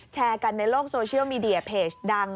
แชร์กันในโลกโซเชียลมีเดียเพจดัง